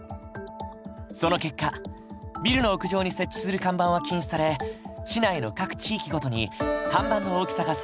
その結果ビルの屋上に設置する看板は禁止され市内の各地域ごとに看板の大きさが定められた。